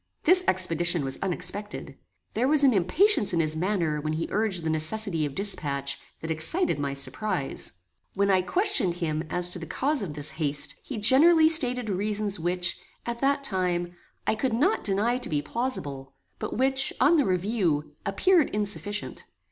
This expedition was unexpected. There was an impatience in his manner when he urged the necessity of dispatch that excited my surprize. When I questioned him as to the cause of this haste, he generally stated reasons which, at that time, I could not deny to be plausible; but which, on the review, appeared insufficient.